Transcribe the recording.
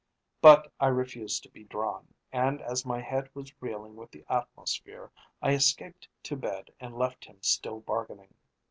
But I refused to be drawn, and as my head was reeling with the atmosphere I escaped to bed and left him still bargaining.